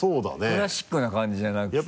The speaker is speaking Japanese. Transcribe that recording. クラシックな感じじゃなくて。